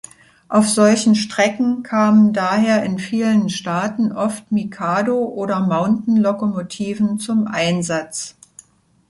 Auf solchen Strecken kamen daher in vielen Staaten oft Mikado- oder Mountain-Lokomotiven zum Einsatz.